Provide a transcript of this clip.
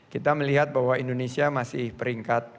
kita melihat bahwa indonesia masih peringkat